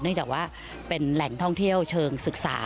จากว่าเป็นแหล่งท่องเที่ยวเชิงศึกษา